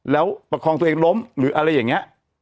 แล้วประคองตัวเองล้มหรืออะไรอย่างนี้